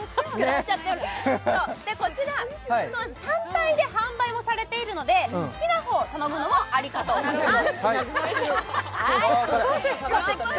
こちら、単体で販売されてるんですが好きな方、頼むのもありかと思います。